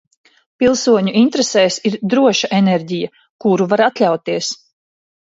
Pilsoņu interesēs ir droša enerģija, kuru var atļauties.